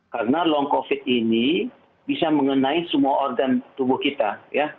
karena long covid ini bisa mengenai semua organ tubuh kita ya